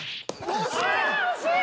惜しい！